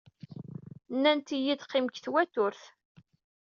Nnant-iyi-d qqim deg twaturt.